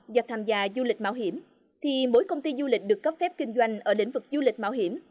do tham gia du lịch mạo hiểm thì mỗi công ty du lịch được cấp phép kinh doanh ở lĩnh vực du lịch mạo hiểm